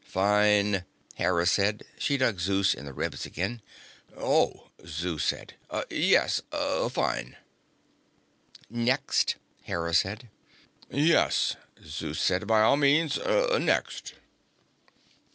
"Fine," Hera said. She dug Zeus in the ribs again. "Oh," Zeus said. "Yes. Fine." "Next," Hera said. "Yes," Zeus said. "By all means. Next."